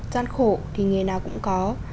gian khổ thì nghề nào cũng có